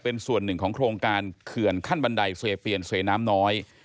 เป็นส่วนหนึ่งของโครงการเขื่อนขั้นบันไดเซเปียนเซน้ำน้อย